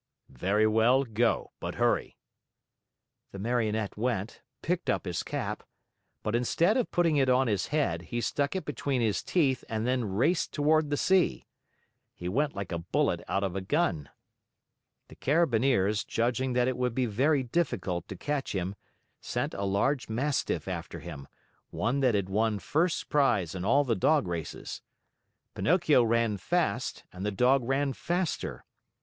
"Very well, go; but hurry." The Marionette went, picked up his cap but instead of putting it on his head, he stuck it between his teeth and then raced toward the sea. He went like a bullet out of a gun. The Carabineers, judging that it would be very difficult to catch him, sent a large Mastiff after him, one that had won first prize in all the dog races. Pinocchio ran fast and the Dog ran faster.